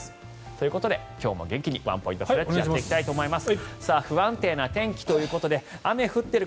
ということで今日も元気にワンポイントストレッチやっていきたいと思います。